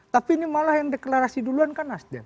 tapi ini malah yang deklarasi duluan kan nasdem